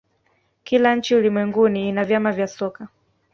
kila nchi ulimwenguni ina vyama vya soka